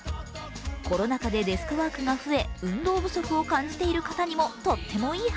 コロナ禍でデスクワークが増え運動不足を感じている方にもとってもいい話。